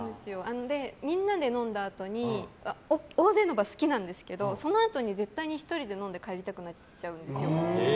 みんなで飲んだあとに大勢の場、好きなんですけどそのあとに、絶対に１人で飲んで帰りたくなっちゃうんです。